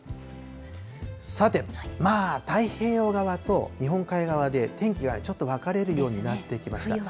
さて、まあ、太平洋側と日本海側で、天気がちょっと分かれるようになってきました。